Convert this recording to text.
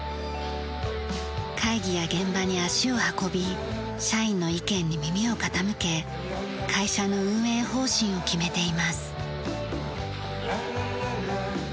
会議や現場に足を運び社員の意見に耳を傾け会社の運営方針を決めています。